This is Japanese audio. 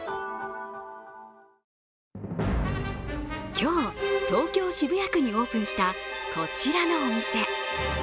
今日、東京・渋谷区にオープンした、こちらのお店。